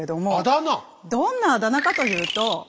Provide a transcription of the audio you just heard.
どんなあだ名かというと。